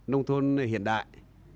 nông thôn hiện đại